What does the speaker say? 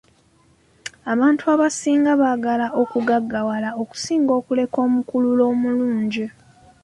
Abantu abasinga baagala okugaggawala okusinga okuleka omukululo omulungi.